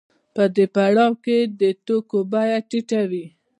په دې پړاو کې د توکو بیه ټیټه وي